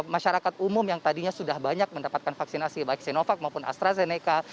masyarakat umum yang tadinya sudah banyak mendapatkan vaksinasi baik sinovac maupun astrazeneca